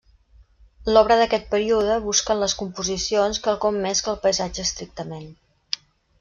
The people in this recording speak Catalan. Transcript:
L'obra d'aquest període busca en les composicions quelcom més que el paisatge estrictament.